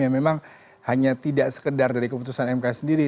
yang memang hanya tidak sekedar dari keputusan mk sendiri